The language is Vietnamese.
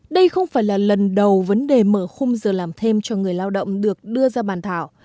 đây không phải là lần đầu vấn đề mở khung giờ làm thêm cho người lao động được đưa ra bàn thảo